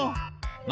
「何？